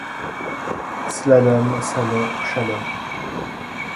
Slalom, salon, shalom,